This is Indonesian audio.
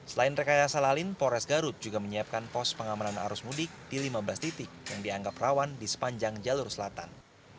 selain rekayasa lalin pores garut juga menyiapkan pos pengamanan arus mudik di lima belas titik yang dianggap rawan di sepanjang jalur selatan